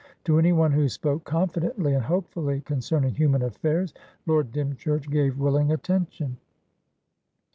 To anyone who spoke confidently and hopefully concerning human affairs, Lord Dymchurch gave willing attention.